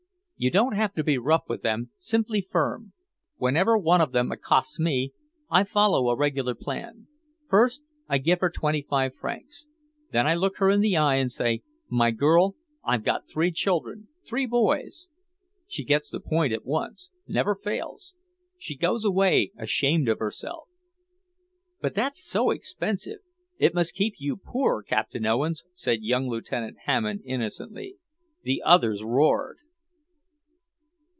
You don't have to be rough with them, simply firm. Whenever one of them accosts me, I follow a regular plan; first, I give her twenty five francs; then I look her in the eye and say, 'My girl, I've got three children, three boys.' She gets the point at once; never fails. She goes away ashamed of herself." "But that's so expensive! It must keep you poor, Captain Owens," said young Lieutenant Hammond innocently. The others roared.